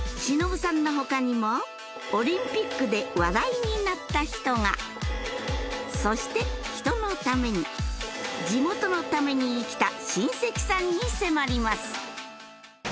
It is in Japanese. しのぶさんの他にもオリンピックで話題になった人がそして人のために地元のために生きた親戚さんに迫ります